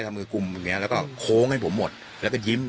ทำออกไว้คุมอย่างเงี้ยแล้วก็โค้งให้ผมหมดแล้วก็ยิ้ม